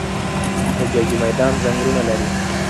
د جاجي میدان ځنګلونه لري